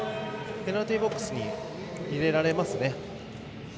ペナルティ−ボックスに入れられますね。